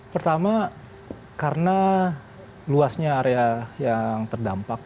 pertama karena luasnya area yang terdampak